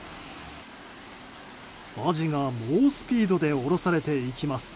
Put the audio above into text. アジが猛スピードでおろされていきます。